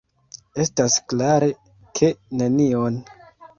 Estas klare, ke nenion!